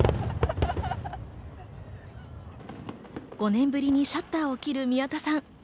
５年ぶりにシャッターを切る宮田さん。